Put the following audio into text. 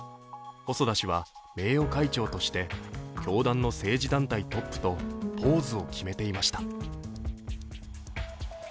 細田氏は名誉会長として教団の政治団体トップとポーズを決めていました。